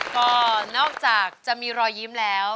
ก็นอกจากจะมีรอยยิ้มแล้ว